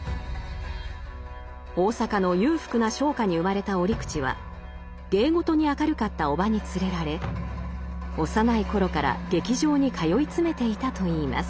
大阪の裕福な商家に生まれた折口は芸事に明るかった叔母に連れられ幼い頃から劇場に通い詰めていたといいます。